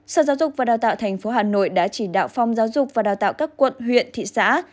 sở giáo dục và đào tạo tp hà nội đã chỉ đạo phòng giáo dục và đào tạo các quận huyện thị xã